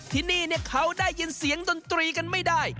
ที่นี่เขาได้ยินเสียงดนตรีกันไม่ได้